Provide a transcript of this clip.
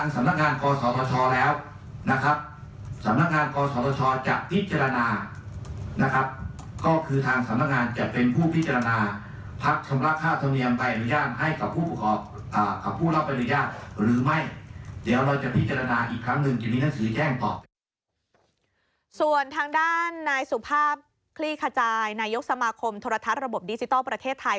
ส่วนทางด้านนายสุภาพคลี่ขจายนายกสมาคมโทรทัศน์ระบบดิจิทัลประเทศไทย